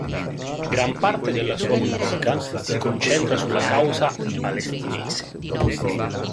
Gran parte della sua musica si concentra sulla causa palestinese.